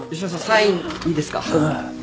サインいいですか？